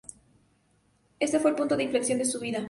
Ese fue el punto de inflexión de su vida.